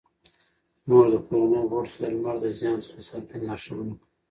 مور د کورنۍ غړو ته د لمر د زیان څخه د ساتنې لارښوونه کوي.